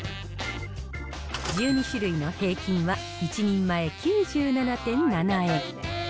１２種類の平均は１人前９７．７円。